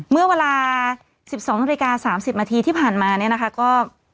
เมื่อเวลา๑๒๓๐ที่ผ่านมาเนี่ยนะคะก็